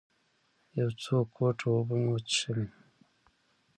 یو څو ګوټه اوبه مې وڅښلې.